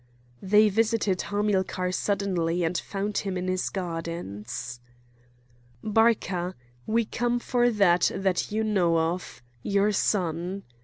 They visited Hamilcar suddenly and found him in his gardens. "Barca! we come for that that you know of—your son!"